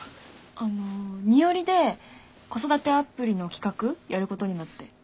あの二折で子育てアプリの企画やることになって。